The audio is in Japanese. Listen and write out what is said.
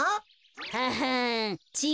ははんちぃ